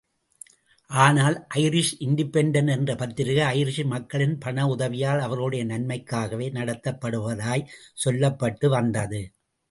ஆனால், Irish Independent என்ற பத்திரிகை ஐரிஷ் மக்களின் பண உதவியால் அவர்களுடைய நன்மைக்காகவே நடத்தப்படுவதாய்ச் சொல்லப்பட்டு வந்தது.